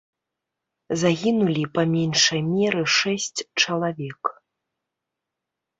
Загінулі па меншай меры шэсць чалавек.